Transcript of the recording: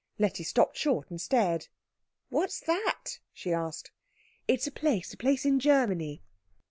Letty stopped short and stared. "What's that?" she asked. "It's a place a place in Germany."